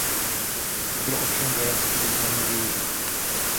Nebyl ovšem vojensky významně využit.